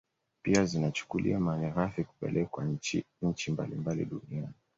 Pia zinachukuliwa malighafi kupelekwa nchi mbalimbali duniani